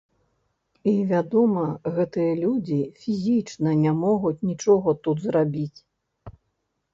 І, вядома, гэтыя людзі фізічна не могуць нічога тут зрабіць.